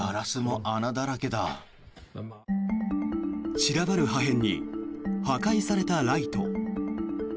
散らばる破片に破壊されたライト。